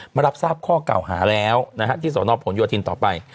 มารับทราบข้อเก่าหาแล้วนะฮะที่สวนอบผลอยู่อาทิตย์ต่อไป